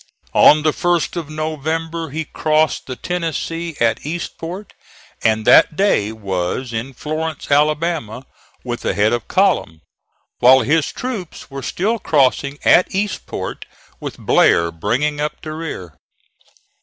On the 1st of November he crossed the Tennessee at Eastport, and that day was in Florence, Alabama, with the head of column, while his troops were still crossing at Eastport, with Blair bringing up the rear.